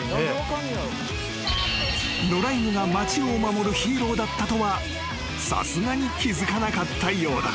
［野良犬が町を守るヒーローだったとはさすがに気付かなかったようだ］